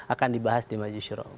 akan dibahas di maju syurong